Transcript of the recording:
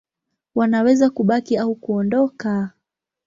Wanaweza kubaki au kuondoka.